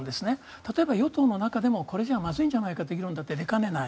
例えば与党の中でもこれじゃまずいんじゃないかという議論だって出かねない。